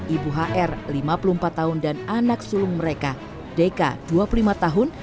ibu hr lima puluh empat tahun dan anak sulung mereka deka dua puluh lima tahun